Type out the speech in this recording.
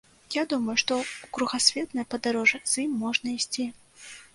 Я думаю, што ў кругасветнае падарожжа з ім можна ісці.